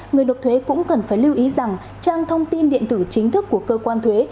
người nộp thuế cũng cần phải lưu ý rằng trang thông tin điện tử chính thức của cơ quan thuế